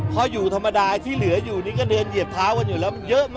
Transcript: เพราะอยู่ธรรมดาที่เหลืออยู่นี่ก็เดินเยียบท้าวนอยู่แล้ว